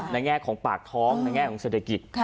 แง่ของปากท้องในแง่ของเศรษฐกิจ